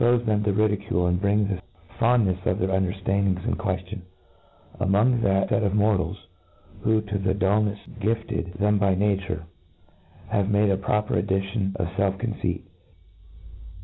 cxpofe them to ridicule, and bring the foundncfs' of their underftandings in queftion, among that •fct of mortals, who, to the dulnefs gifted. them by nature,, have made a proper addition of felf con ceit.